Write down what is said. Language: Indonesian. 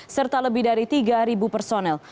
serta lebih dari tiga personel